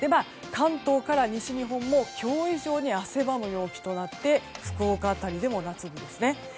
関東から西日本も今日以上に汗ばむ陽気となって福岡辺りでも夏日ですね。